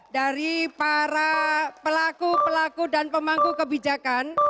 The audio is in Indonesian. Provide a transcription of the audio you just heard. dari para pelaku pelaku dan pemangku kebijakan